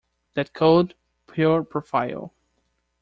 That cold, pure profile.